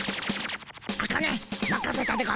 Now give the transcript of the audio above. アカネまかせたでゴンス。